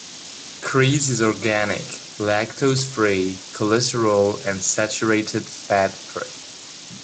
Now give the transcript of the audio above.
Chreese is organic, lactose-free, cholesterol and saturated fat-free.